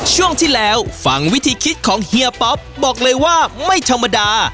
ช่วงที่แล้วฟังวิธีคิดของเฮียป๊อปบอกเลยว่าไม่ธรรมดา